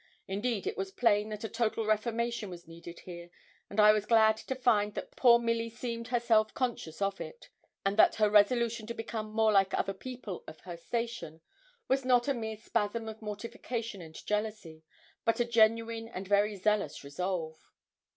Indeed it was plain that a total reformation was needed here; and I was glad to find that poor Milly seemed herself conscious of it; and that her resolution to become more like other people of her station was not a mere spasm of mortification and jealousy, but a genuine and very zealous resolve.